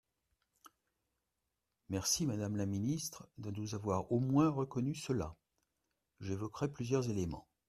Merci, madame la ministre, de nous avoir au moins reconnu cela ! J’évoquerai plusieurs éléments.